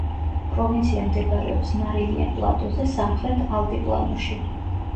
პროვინცია მდებარეობს მარილიან პლატოზე, სამხრეთ ალტიპლანოში.